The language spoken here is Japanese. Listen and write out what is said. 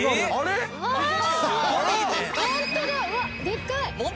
でっかい。